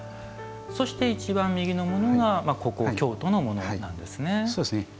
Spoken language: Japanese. そして一番右のものが京都のもんなんですね。